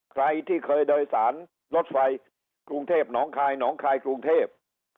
ใครที่เคยโดยสารรถไฟกรุงเทพหนองคายหนองคายกรุงเทพ